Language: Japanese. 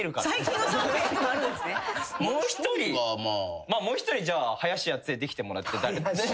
もう１人もう１人じゃあ林家連れてきてもらって。